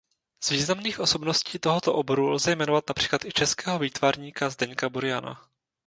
Z významných osobností tohoto oboru lze jmenovat například i českého výtvarníka Zdeňka Buriana.